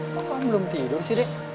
kok kamu belum tidur sih dek